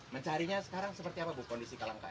mencarinya sekarang seperti apa bu kondisi kalangkah